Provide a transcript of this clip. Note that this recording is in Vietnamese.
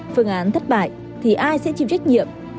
phương án thất bại thì ai sẽ chịu trách nhiệm